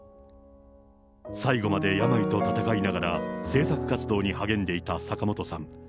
最後まで病と闘いながら制作活動に励んでいた坂本さん。